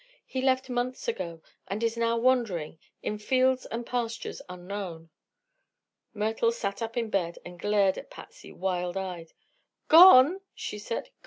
He left months ago, and is now wandering; in fields and pastures unknown." Myrtle sat up in bed and glared at Patsy wild eyed. "Gone!" she said. "Gone!